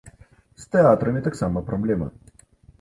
З тэатрамі таксама праблема.